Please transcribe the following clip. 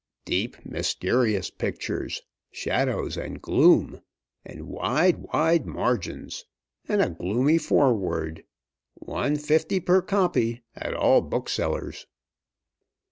Deep, mysterious pictures! Shadows and gloom! And wide, wide margins. And a gloomy foreword. One fifty per copy, at all booksellers."